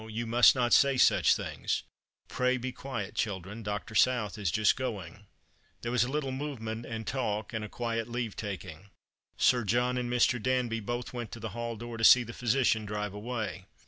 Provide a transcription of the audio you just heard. You must not say such things. Pray be quiet, children. Dr. South is just going." There was a little movement and talk and a quiet leave taking. Sir John and Mr. Danby both went to the hall door to see the phj'sician drive away.